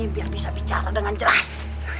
biar bisa bicara dengan jelas